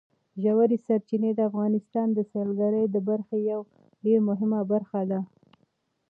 ژورې سرچینې د افغانستان د سیلګرۍ د برخې یوه ډېره مهمه برخه ده.